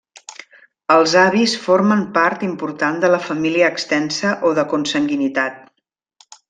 Els avis formen part important de la família extensa o de consanguinitat.